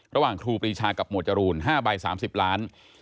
ครูปรีชากับหมวดจรูน๕ใบ๓๐ล้าน